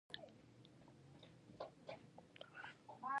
آیا مخابراتي شرکتونه انحصار کوي؟